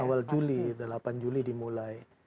awal juli delapan juli dimulai